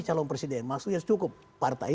calon presiden maksudnya cukup partai